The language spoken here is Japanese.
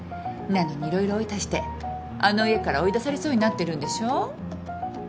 なのに色々おいたしてあの家から追い出されそうになってるんでしょう？